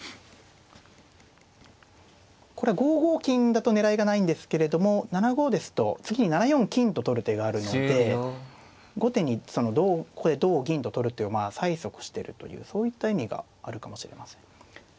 これは５五金だと狙いがないんですけれども７五ですと次に７四金と取る手があるので後手にここで同銀と取る手を催促してるというそういった意味があるかもしれません。